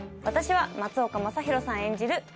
私は松岡昌宏さん演じる